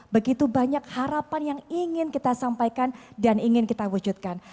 begitu banyak harapan yang ingin kita sampaikan dan ingin kita wujudkan